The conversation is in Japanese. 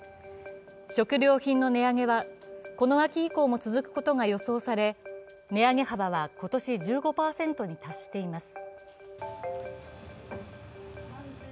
食料品の値上げはこの秋以降も続くことが予想され、値上げ幅は今年１５％に達しています。